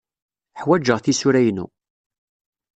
Ḥwajeɣ tisura-inu.